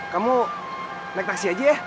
kamu naik taksi aja ya